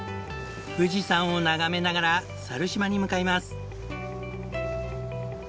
富士山を眺めながら猿島に向かいます。